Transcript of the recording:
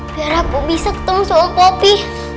biar aku bisa ketemu sama popi